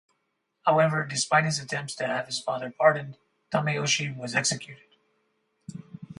However, despite his attempts to have his father pardoned, Tameyoshi was executed.